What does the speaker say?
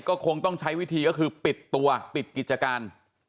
ก็คงต้องใช้วิธีก็คือปิดตัวปิดกิจการ